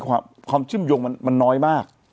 ความเชื่อมโยงมันน้อยมาก